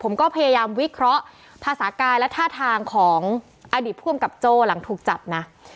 ผมก็พยายามวิเคราะห์ภาษากายและท่าทางของอดีตผู้อำกับโจ้หลังถูกจับนะ